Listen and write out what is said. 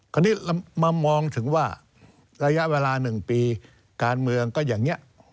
คราวนี้มามองถึงว่าระยะเวลา๑ปีการเมืองก็อย่างนี้